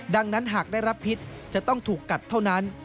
ดังนั้นหากได้รับพิษจะต้องถูกกัดเท่านั้น